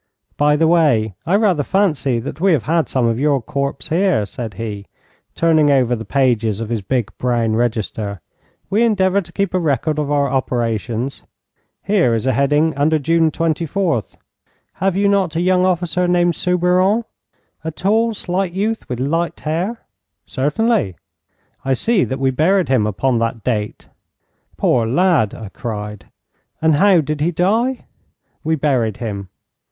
'By the way, I rather fancy that we have had some of your corps here,' said he, turning over the pages of his big brown register. 'We endeavour to keep a record of our operations. Here is a heading under June 24th. Have you not a young officer named Soubiron, a tall, slight youth with light hair?' 'Certainly.' 'I see that we buried him upon that date.' 'Poor lad!' I cried. 'And how did he die?' 'We buried him.'